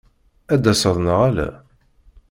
Ad d-taseḍ neɣ ala?